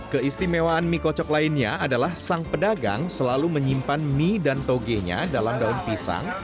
keistimewaan mie kocok lainnya adalah sang pedagang selalu menyimpan mie dan togenya dalam daun pisang